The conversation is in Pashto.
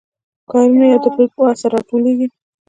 کارونه یو د بل پاسه راټولیږي